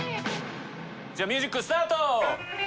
じゃあミュージックスタート！